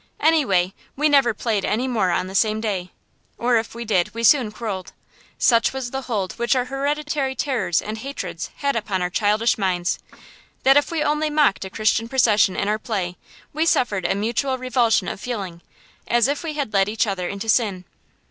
Anyway, we never played any more on the same day; or if we did, we soon quarrelled. Such was the hold which our hereditary terrors and hatreds had upon our childish minds that if we only mocked a Christian procession in our play, we suffered a mutual revulsion of feeling, as if we had led each other into sin.